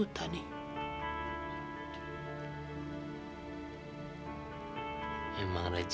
tante ini sudah beres